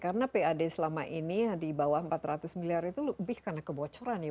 karena pad selama ini di bawah rp empat ratus miliar itu lebih karena kebocoran ya